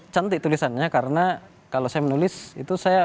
cantik tulisannya karena kalau saya menulis itu saya